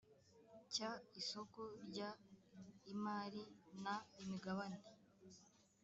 cy isoko ry imari n imigabane